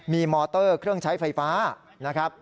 มีมอเตอร์เครื่องใช้ไฟฟ้านะครับ